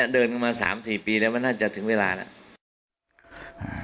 เดินกันมา๓๔ปีแล้วมันน่าจะถึงเวลาแล้ว